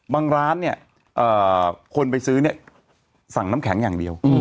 ร้านเนี่ยคนไปซื้อเนี่ยสั่งน้ำแข็งอย่างเดียว